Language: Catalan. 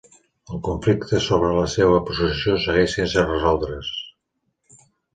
El conflicte sobre la seva possessió segueix sense resoldre's.